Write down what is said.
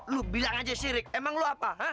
lu bilang aja sirik emang lo apa